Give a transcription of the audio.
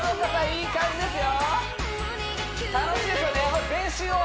いい感じですよ